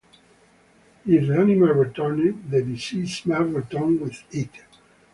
If the animal returned, the disease must return with it.